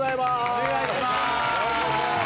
お願いします。